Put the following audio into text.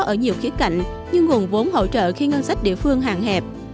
ở nhiều khía cạnh như nguồn vốn hỗ trợ khi ngân sách địa phương hàng hẹp